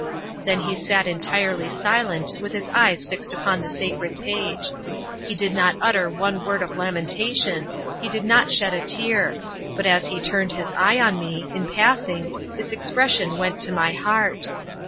Then he sat entirely silent, with his eyes fixed upon the sacred page. He did not utter one word of lamentation, he did not shed a tear, but as he turned his eye on me, in passing, its expression went to my heart.